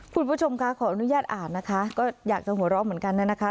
คุณผู้ชมคะขออนุญาตอ่านนะคะก็อยากจะหัวเราะเหมือนกันนะคะ